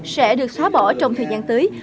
sẽ được xóa bỏ trong thời gian tới